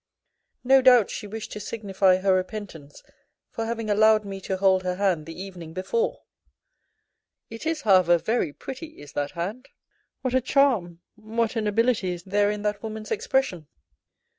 No doubt she wished to signify her repentance for having allowed me to hold her hand the evening before. .. It is, however very pretty, is that hand. What a charm, what a nobility is there in that woman's expression